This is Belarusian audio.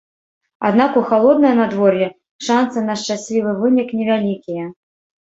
Аднак у халоднае надвор'е шанцы на шчаслівы вынік невялікія.